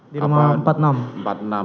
di rumah empat puluh enam